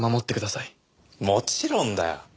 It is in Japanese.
もちろんだよ！